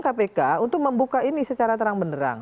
kpk untuk membuka ini secara terang benerang